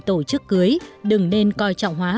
tổ chức cưới đừng nên coi trọng hóa